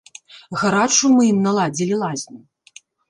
Гарачую мы ім наладзілі лазню.